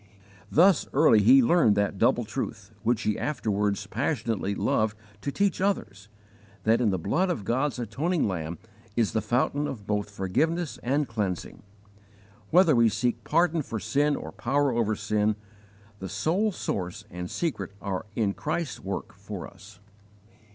Thus early he learned that double truth, which he afterwards passionately loved to teach others, that in the blood of God's atoning Lamb is the Fountain of both forgiveness and cleansing. Whether we seek pardon for sin or power over sin, the sole source and secret are in Christ's work for us.